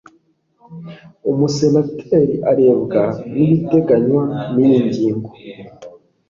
umusenateri arebwa n'ibiteganywa n'iyi ngingo